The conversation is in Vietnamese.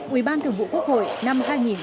ủy ban thường vụ quốc hội